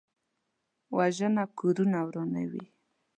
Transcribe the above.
وژنه کورونه ورانوي